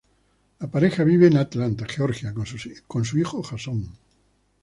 La pareja vive en Atlanta, Georgia, con su hijo Jason.